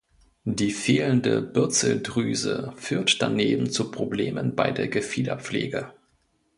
Die fehlende Bürzeldrüse führt daneben zu Problemen bei der Gefiederpflege.